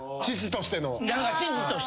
父としての。